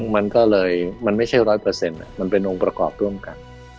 มันก็เลยมันไม่ใช่ร้อยเปอร์เซ็นต์มันเป็นองค์ประกอบร่วมกัน